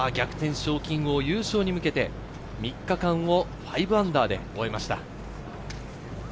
賞金王、優勝に向けて、３日間を−５で終えました。